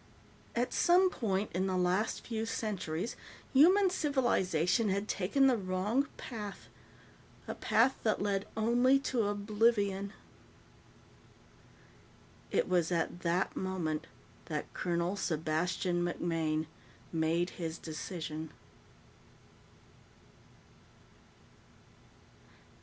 At some point in the last few centuries, human civilization had taken the wrong path a path that led only to oblivion. It was at that moment that Colonel Sebastian MacMaine made his decision.